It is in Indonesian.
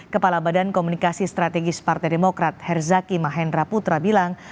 kepala badan komunikasi strategis partai demokrat herzaki mahendra putra bilang